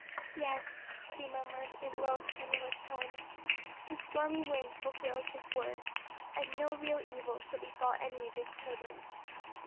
"Yes," she murmured, in low tremulous tones, "the stormy wind fulfils His word: and no real evil shall befall any of His children."